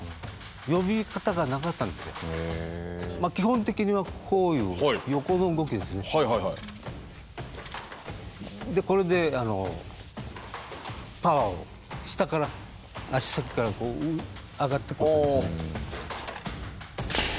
基本的にはこういうでこれでパワーを下から足先から上がってくるんですね。